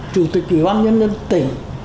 chủ tịch ủy ban nhân dân tỉnh